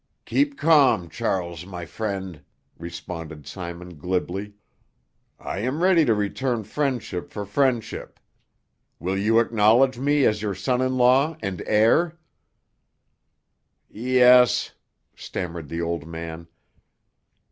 "Keep calm, Charles, my friend," responded Simon glibly. "I am ready to return friendship for friendship. Will you acknowledge me as your son in law and heir?" "Yes," stammered the old man.